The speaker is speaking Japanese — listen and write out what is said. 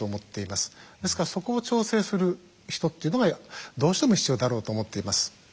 ですからそこを調整する人っていうのがどうしても必要だろうと思っています。